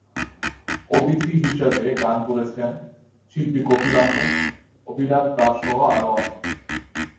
অতিথি হিসেবে গান করেছেন শিল্পী কফিল আহমেদ, অভিলাষ দাসসহ আরও অনেকে।